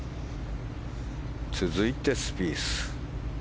続いてスピース。